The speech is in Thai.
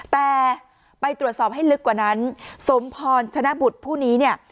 แต่ไปตรวจสอบให้ลึกกว่านั้นสมพรชนะบุตรผู้นี้เนี่ย